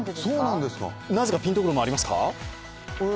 なぜか、ピンとくるものありますか？